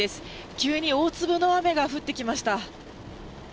急に大粒の雨が降ってきました。